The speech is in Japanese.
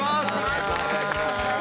お願いします。